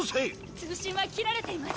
通信は切られています。